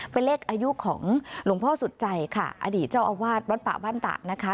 เป็นเลขอายุของหลวงพ่อสุดใจค่ะอดีตเจ้าอาวาสวัดป่าบ้านตะนะคะ